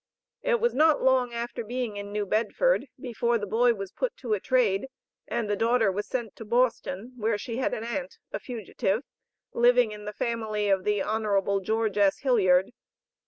It was not long after being in New Bedford, before the boy was put to a trade, and the daughter was sent to Boston, where she had an aunt (a fugitive), living in the family of the Hon. George S. Hilliard.